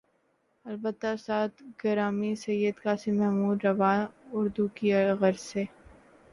البتہ استاد گرامی سید قاسم محمود رواں اردو کی غرض سے